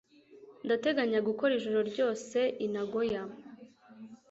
Ndateganya gukora ijoro ryose i Nagoya.